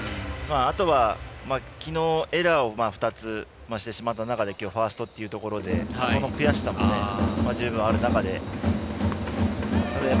あとは、きのうエラーを２つしてしまった中できょうファーストという中でその悔しさもあったと思います。